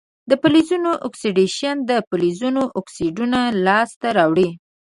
د فلزونو اکسیدیشن د فلزونو اکسایدونه لاسته راوړي.